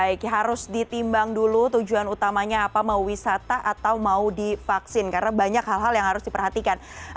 jadi kita harus ditimbang dulu tujuan utamanya apa mau wisata atau mau divaksin karena banyak hal hal yang harus diperhatikan